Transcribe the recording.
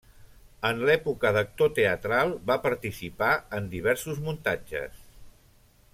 En l'època d'actor teatral, va participar en diversos muntatges.